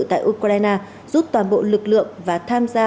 tại ukraine giúp toàn bộ lực lượng và tham gia